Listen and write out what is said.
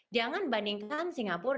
jangan bandingkan singapura